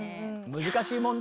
難しい問題だね。